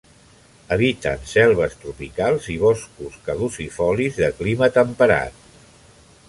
Habiten selves tropicals i boscos caducifolis de clima temperat.